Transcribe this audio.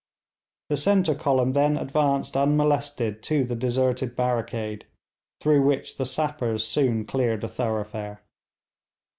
The centre column then advanced unmolested to the deserted barricade, through which the sappers soon cleared a thoroughfare.